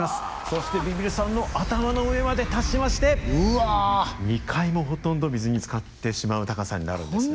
そしてビビるさんの頭の上まで達しまして２階もほとんど水につかってしまう高さになるんですね。